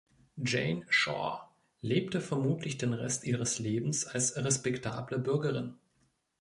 Jane Shore lebte vermutlich den Rest ihres Lebens als respektable Bürgerin.